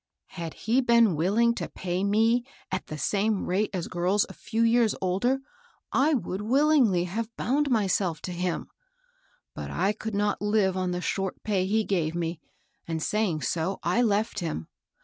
" Had he been willing to pay me at the same rate as girls a few years older, I would willingly have bound myself to him ; but I could not live on the short pay he gave me, and saying so, I left him.